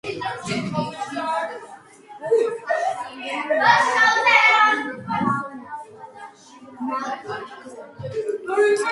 წყალბადისა და ქლორის ფოტოქიმიური რეაქციის კინეტიკის კვლევისას აღმოაჩინა სარეაქციო ჯაჭვების ურთიერთქმედება მაღალი ინტენსივობის სინათლეზე.